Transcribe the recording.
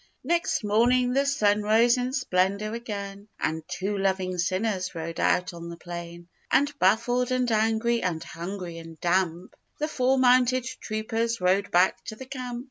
Next morning the sun rose in splendour again, And two loving sinners rode out on the plain; And baffled, and angry, and hungry and damp, The four mounted troopers rode back to the camp.